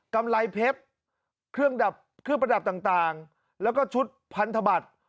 กำไรเพชรเครื่องดับเครื่องประดับต่างแล้วก็ชุดพันธบัตร